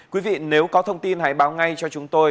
quý vị nếu có thông tin hãy báo ngay cho chúng tôi